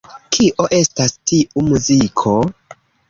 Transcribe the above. Kio estas tiu muziko?